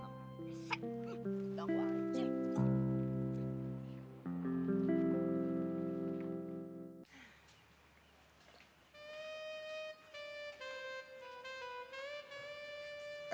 udah gua ngasih